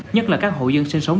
nhất là các hộ dân sinh sống